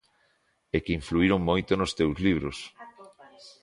E que influíron moito nos teus libros.